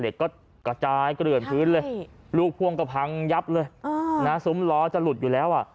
เด็กก็กระจายเกลื่อนพื้นเลยลูกพ่วงก็พังยับเลยซุ้มล้อจะหลุดอยู่แล้วอ่ะ